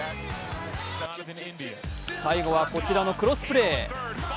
最後はこちらのクロスプレー。